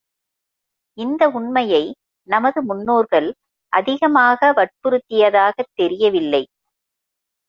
இந்த உண்மையை நமது முன்னோர்கள் அதிகமாக வற்புறுத்தியதாகத் தெரியவில்லை.